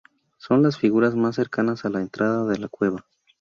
Son las figuras más cercanas a la entrada de la cueva.